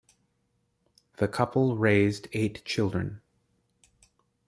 The couple raised eight children.